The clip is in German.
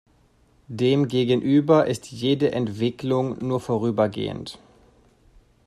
Demgegenüber ist jede Entwicklung nur vorübergehend.